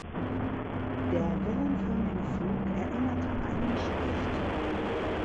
Der wellenförmige Flug erinnert an einen Specht.